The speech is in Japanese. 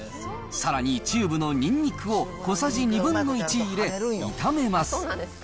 さらにチューブのにんにくを小さじ２分の１入れ、炒めます。